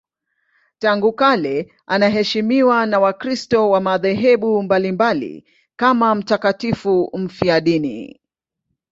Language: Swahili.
Tangu kale anaheshimiwa na Wakristo wa madhehebu mbalimbali kama mtakatifu mfiadini.